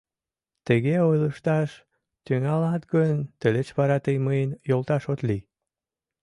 Тыге ойлышташ тӱҥалат гын, тылеч вара тый мыйын йолташ от лий.